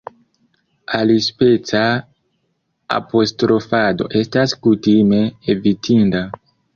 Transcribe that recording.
Alispeca apostrofado estas kutime evitinda.